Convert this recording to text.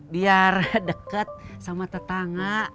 biar dekat sama tetangga